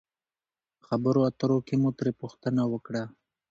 خبرو اترو کښې مو ترې پوښتنه وکړه